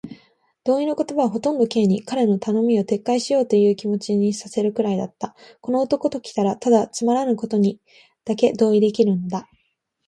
同意の言葉はほとんど Ｋ に、彼の頼みを撤回しようというという気持にさせるくらいだった。この男ときたら、ただつまらぬことにだけ同意できるのだ。